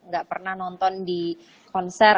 gak pernah nonton di konser